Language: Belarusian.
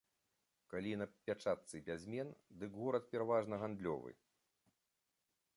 Калі на пячатцы бязмен, дык горад пераважна гандлёвы.